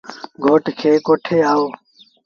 گھوٽ کي ڪوٺي آئو۔